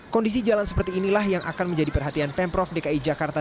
kondisi jalan seperti inilah yang akan menjadi perhatian pemprov dki jakarta